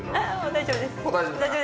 大丈夫ですか？